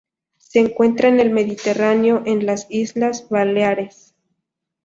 Se encuentra en el Mediterráneo en las Islas Baleares.